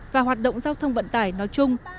và hoạt động giao thông vận tải nói chung